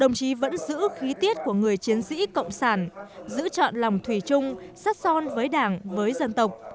giữ khí tiết của người chiến sĩ cộng sản giữ chọn lòng thủy chung sát son với đảng với dân tộc